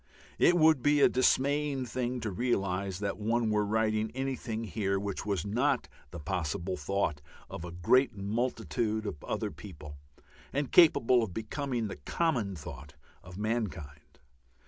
It would be a dismaying thing to realize that one were writing anything here which was not the possible thought of great multitudes of other people, and capable of becoming the common thought of mankind.